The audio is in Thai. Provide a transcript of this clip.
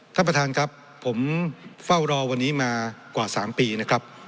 ท่านประธานครับผมเฝ้ารอวันนี้มากว่า๓ปีนะครับ